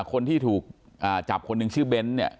คนที่ถูกอ่าจับคนหนึ่งชื่อเบนส์เนี่ยค่ะ